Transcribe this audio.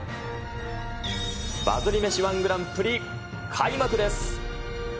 バズり飯ー１グランプリ開幕です。